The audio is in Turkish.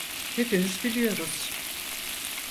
Hepimiz biliyoruz.